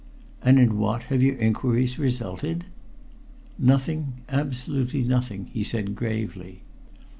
"And in what have your inquiries resulted?" "Nothing absolutely nothing," he said gravely.